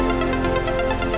ya pengen bro aja